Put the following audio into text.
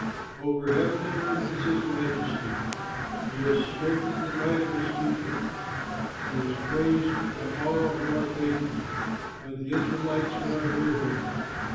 Over heaven and earth is his majesty, He has strengthened the might of his people; He is praised by all who are faithful, By the Israelites, who are near him.